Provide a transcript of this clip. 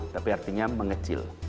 tapi artinya mengecil